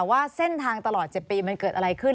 ว่าเส้นทางตลอด๗ปีมันเกิดอะไรขึ้น